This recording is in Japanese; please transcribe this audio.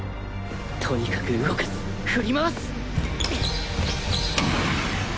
とにかく動かす振りまわす！